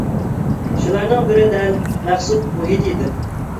شۇلارنىڭ بىرى دەل مەخسۇت مۇھىتى ئىدى.